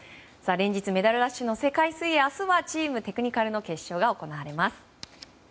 連日メダルラッシュの世界水泳明日はチームテクニカルの決勝が行われます。